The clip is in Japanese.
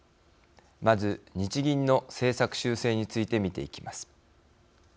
まず日銀の政策修正について見ていきます。